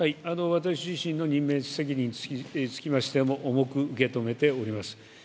私自身の任命責任につきましても重く受け止めております。